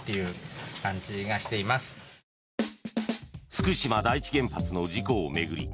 福島第一原発の事故を巡り